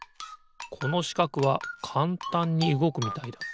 このしかくはかんたんにうごくみたいだ。